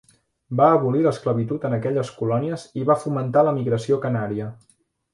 Va abolir l'esclavitud en aquelles colònies i va fomentar l'emigració canària.